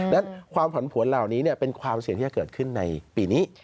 และความผันผวนเหล่านี้เป็นความเสี่ยงที่จะเกิดขึ้นในปีนี้